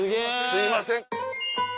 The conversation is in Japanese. すいません。